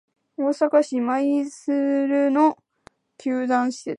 大阪市・舞洲の球団施設